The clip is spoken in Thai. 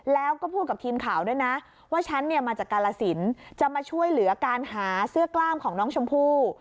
แล้วก็พูดกับทีมข่าวด้วยนะว่าฉันเนี่ยมาจากกาลสินจะมาช่วยเหลือการหาเสื้อกล้ามของน้องชมพู่